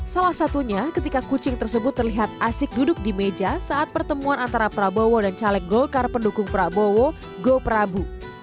salah satunya ketika kucing tersebut terlihat asik duduk di meja saat pertemuan antara prabowo dan caleg golkar pendukung prabowo go prabu